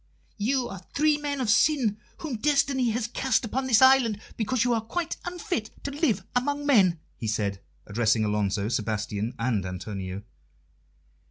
"You are three men of sin, whom Destiny has cast upon this island because you are quite unfit to live among men," he said, addressing Alonso, Sebastian, and Antonio.